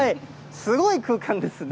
すごい空間ですね。